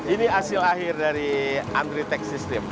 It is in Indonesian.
ini hasil akhir dari andri tech system